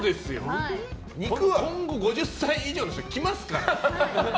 今後、５０歳以上の人来ますから。